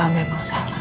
aku ingin sadar